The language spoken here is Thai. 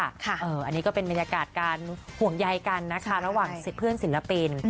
อันนี้ก็เป็นบรรยากาศการห่วงใยกันนะคะระหว่าง๑๐เพื่อนศิลปิน